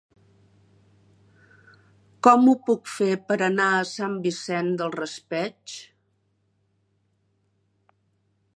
Com ho puc fer per anar a Sant Vicent del Raspeig?